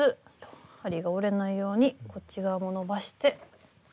針が折れないようにこっち側も伸ばして。